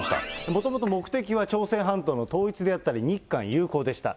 もともと目的は、朝鮮半島の統一であったり、日韓友好でした。